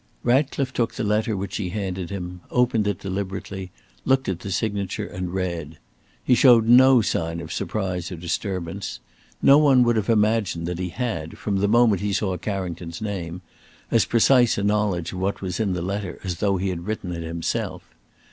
Ratcliffe took the letter which she handed to him, opened it deliberately, looked at the signature, and read. He showed no sign of surprise or disturbance. No one would have imagined that he had, from the moment he saw Carrington's name, as precise a knowledge of what was in this letter as though he had written it himself.